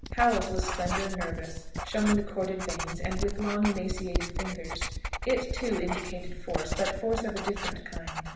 Powell's was slender, nervous, showing the corded veins, and with long emaciated fingers. It, too, indicated force; but force of a different kind.